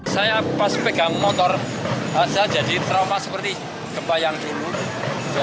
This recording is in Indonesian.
saya pas pegang motor saya jadi trauma seperti gempa yang dulu